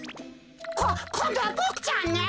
ここんどはボクちゃんね。